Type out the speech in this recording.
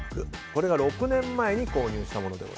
これが６年前に購入したもの。